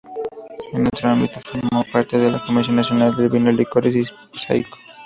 En otro ámbito, formó parte de la Comisión Nacional del Vino, Licores y Pisco.